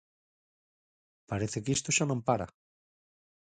Parece que isto xa non para.